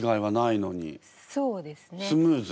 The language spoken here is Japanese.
そうです。